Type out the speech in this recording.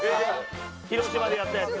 広島でやったやつ。